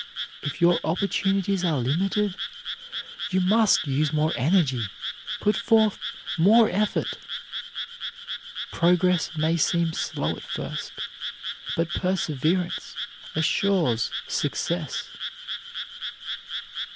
If your opportunities are limited you must use more energy, put forth more effort. Progress may seem slow at first, but perseverance assures success.